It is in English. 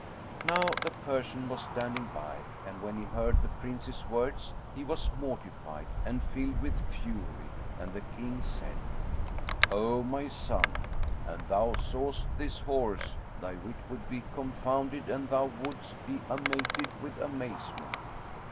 Now the Persian was standing by and, when he heard the Prince's words, he was mortified and filled with fury and the King said, "O my son, an thou sawest this horse, thy wit would be confounded and thou wouldst be amated with amazement."